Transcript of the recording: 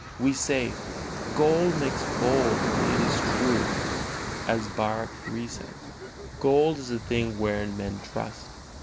We say: Gold makes bold; and it is true, as Baruch iii. says, "Gold is a thing wherein men trust."